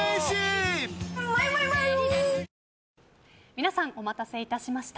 皆さんお待たせいたしました。